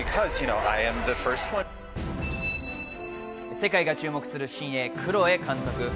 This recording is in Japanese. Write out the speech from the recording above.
世界が注目する新鋭・クロエ監督。